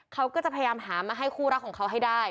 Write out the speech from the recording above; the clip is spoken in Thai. เขาก็จะพยายามหามาให้คู่รักของเขาให้ได้